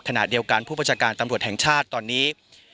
ขณะเดียวกันผู้ประชาการตำรวจแห่งชาติตอนนี้